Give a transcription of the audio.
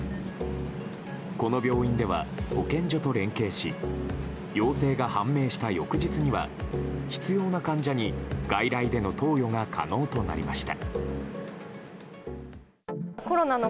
この病院では保健所と連携し陽性が判明した翌日には必要な患者に外来での投与が可能となりました。